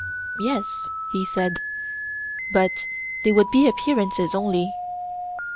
Yes, he said; but they would be appearances only.